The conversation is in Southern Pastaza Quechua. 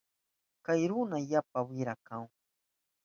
Kay runa yapa wira kahun.